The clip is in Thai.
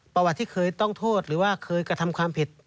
ประวัติที่เคยต้องโทษหรือว่าเคยกระทำความผิด